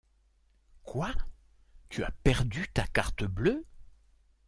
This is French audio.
Quoi ? Tu as perdu ta carte bleue ?